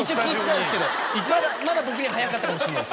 まだ僕には早かったかもしんない。